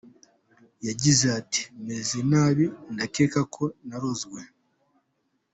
Yagize ati" Meze nabi ndakeka ko narozwe.